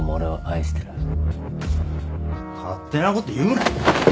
勝手なこと言うな。